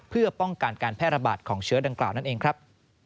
เพื่อป้องกันการแพร่ระบาดของเชื้อดังกล่าวนั่นเองครับ